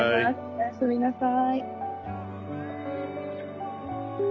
おやすみなさい。